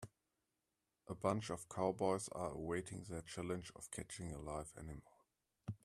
A bunch of cowboys are awaiting their challenge of catching a live animal.